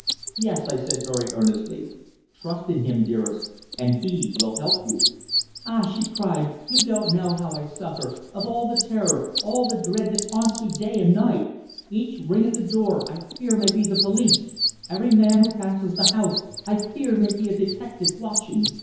"Yes," I said very earnestly. "Trust in Him, dearest, and He will help you." "Ah!" she cried. "You don't know how I suffer of all the terror all the dread that haunts me night and day. Each ring at the door I fear may be the police every man who passes the house I fear may be a detective watching.